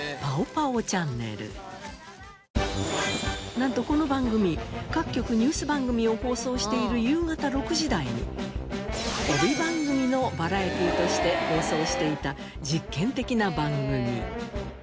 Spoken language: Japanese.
なんとこの番組各局ニュース番組を放送している夕方６時台に帯番組のバラエティーとして放送していた実験的な番組。